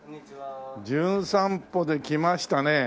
『じゅん散歩』で来ましたね